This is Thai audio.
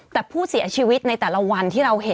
แต่ผู้เสียชีวิตในแต่ละวันที่เราเห็น